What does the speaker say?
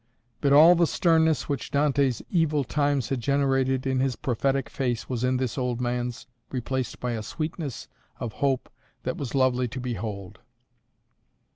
But all the sternness which Dante's evil times had generated in his prophetic face was in this old man's replaced by a sweetness of hope that was lovely to behold.